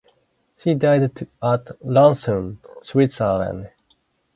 She died at Lausanne, Switzerland.